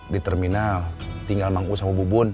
di terminal tinggal mangku sama bubun